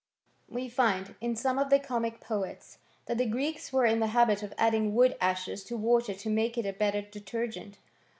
We find, in some of the comic poets, that the Greeks were in the habit of adding wood ashes to water to make it a better detergent.